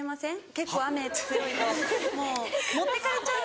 結構雨強いともう持ってかれちゃう。